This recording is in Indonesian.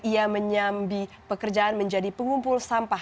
ia menyambi pekerjaan menjadi pengumpul sampah